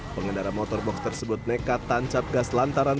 pengendara motorboks tersebut nekat tancap gas lantaran